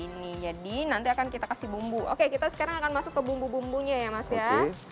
ini jadi nanti akan kita kasih bumbu oke kita sekarang akan masuk ke bumbu bumbunya ya mas ya